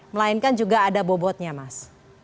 melainkan juga ada bobotnya mas